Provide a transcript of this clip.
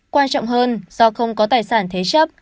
quan trọng hơn do không có tài sản thế chấp